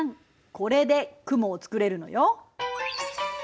これで雲をつくれるのよ！